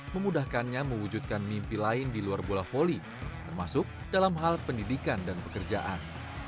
memudahkannya mewujudkan mimpi lain di luar bola volley termasuk dalam hal pendidikan dan pekerjaan